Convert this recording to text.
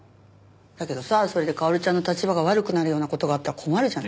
だけどさそれで薫ちゃんの立場が悪くなるような事があったら困るじゃん。